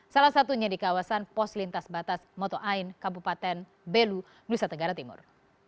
salah satunya di kawasan pos lintas batas moto ain kabupaten belu nusa tenggara timur